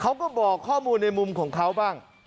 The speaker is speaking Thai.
เขาก็บอกข้อมูลในมุมของเขาบ้าง